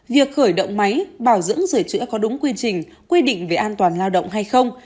việc khởi động máy bảo dưỡng sửa chữa có đúng quy trình quy định về an toàn lao động hay không